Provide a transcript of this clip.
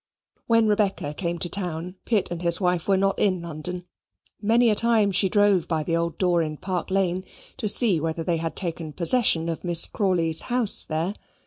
When Rebecca came to town Pitt and his wife were not in London. Many a time she drove by the old door in Park Lane to see whether they had taken possession of Miss Crawley's house there.